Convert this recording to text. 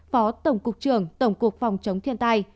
phó tổng cục trưởng tổng cục phòng chống thiên tai